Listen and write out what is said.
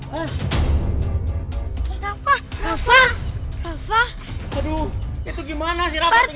hai rafa rafa rafa aduh itu gimana sih rafat